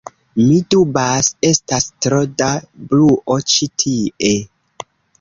Mi dubas, estas tro da bruo ĉi tie